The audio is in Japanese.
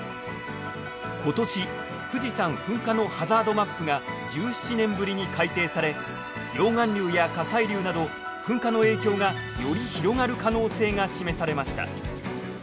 今年富士山噴火のハザードマップが１７年ぶりに改定され溶岩流や火砕流など噴火の影響がより広がる可能性が示されました。